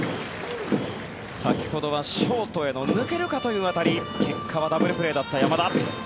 先ほどはショートへの抜けるかという当たり結果はダブルプレーだった山田。